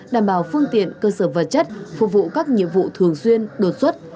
đảm bảo phương tiện cơ sở vật chất phục vụ các nhiệm vụ thường xuyên đột xuất